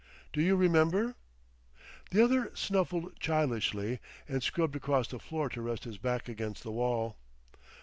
"Do you remember?" The other snuffled childishly and scrubbed across the floor to rest his back against the wall.